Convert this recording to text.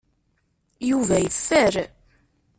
Yuba yeffer.